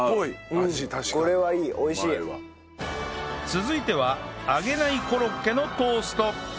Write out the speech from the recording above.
続いては揚げないコロッケのトースト